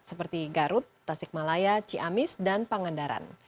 seperti garut tasik malaya ciamis dan pangandaran